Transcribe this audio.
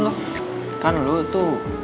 lo kan lo tuh